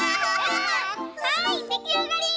はいできあがり！